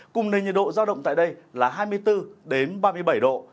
cùng nền nhiệt độ giao động tại đây là hai mươi bốn ba mươi bảy độ